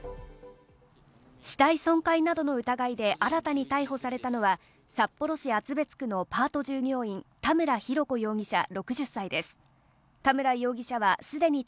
死体損壊などの疑いで新たに逮捕されたのは、札幌市厚別区のパート従業員、田村浩子容疑者・６０歳です。